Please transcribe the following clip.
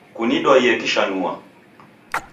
Kunidwaie kishanua